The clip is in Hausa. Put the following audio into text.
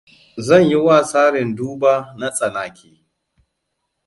Zan yi wa tsarin duba na tsanaki.